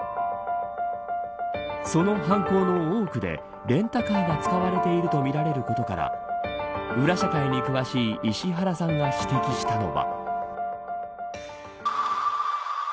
その犯行の多くでレンタカーが使われているとみられることから裏社会に詳しい石原さんが指摘したのは。